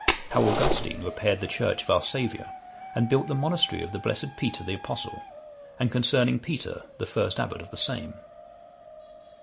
How Augustine repaired the church of our Saviour, and built the monastery of the blessed Peter the Apostle; and concerning Peter the first abbot of the same.